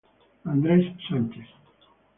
Andrés Sánchez